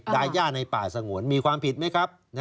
ยาย่าในป่าสงวนมีความผิดไหมครับ